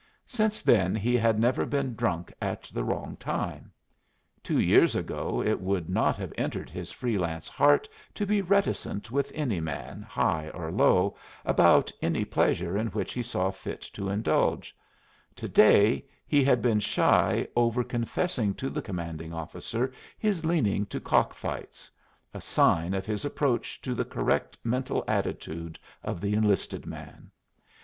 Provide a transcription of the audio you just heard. Since then he had never been drunk at the wrong time. Two years ago it would not have entered his free lance heart to be reticent with any man, high or low, about any pleasure in which he saw fit to indulge; to day he had been shy over confessing to the commanding officer his leaning to cock fights a sign of his approach to the correct mental attitude of the enlisted man.